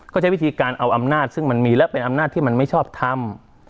ก็ใช้วิธีการเอาอำนาจซึ่งมันมีและเป็นอำนาจที่มันไม่ชอบทำ